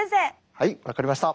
はい分かりました。